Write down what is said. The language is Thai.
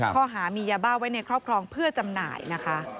ข้อหามียาบ้าไว้ในครอบครองเพื่อจำหน่ายนะคะ